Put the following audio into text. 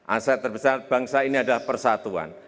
aset terbesar bangsa ini adalah persatuan